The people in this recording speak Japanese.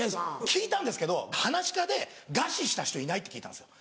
聞いたんですけどはなし家で餓死した人いないって聞いたんですよ。